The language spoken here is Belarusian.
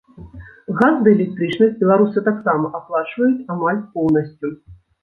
Газ ды электрычнасць беларусы таксама аплачваюць амаль поўнасцю.